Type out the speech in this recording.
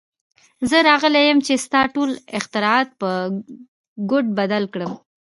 زه راغلی یم چې ستا ټول اختراعات په کوډ بدل کړم